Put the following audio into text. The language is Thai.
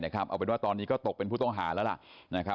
เอาเป็นว่าตอนนี้ก็ตกเป็นผู้ต้องหาแล้วล่ะ